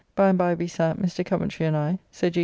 By and by we sat, Mr. Coventry and I (Sir G.